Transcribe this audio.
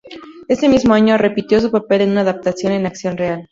Ese mismo año, repitió su papel en una adaptación en acción real.